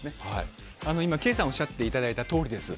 今、ケイさんがおっしゃっていただいたとおりです。